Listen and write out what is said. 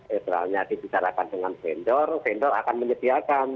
misalnya dibicarakan dengan vendor vendor akan menyediakan